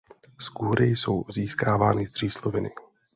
Z kůry jsou získávány třísloviny.